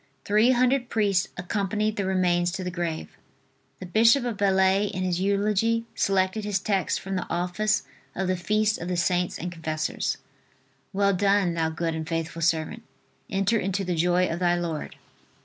Three hundred priests accompanied the remains to the grave. The bishop of Belley, in his eulogy, selected his text from the office of the feast of the Saints and Confessors: "Well done, thou good and faithful servant, enter into the joy of thy Lord."